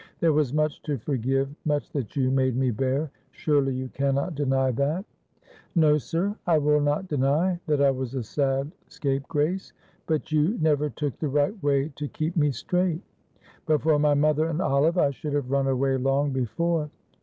There was much to forgive much that you made me bear. Surely you cannot deny that." "No, sir, I will not deny that I was a sad scapegrace, but you never took the right way to keep me straight. But for my mother and Olive, I should have run away long before.